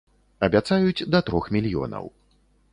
Абяцаюць да трох мільёнаў.